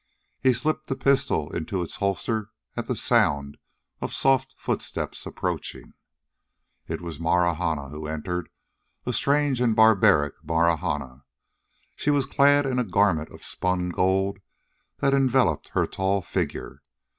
He slipped the pistol into its holster at the sound of soft footsteps approaching. It was Marahna who entered, a strange and barbaric Marahna. She was clad in a garment of spun gold that enveloped her tall figure.